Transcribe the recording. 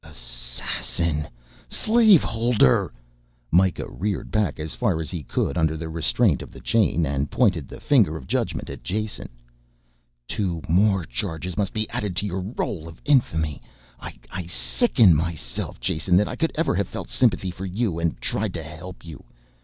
"Assassin! Slave holder!" Mikah reared back, as far as he could under the restraint of the chain, and pointed the finger of judgment at Jason. "Two more charges must be added to your role of infamy. I sicken myself, Jason, that I could ever have felt sympathy for you and tried to help you.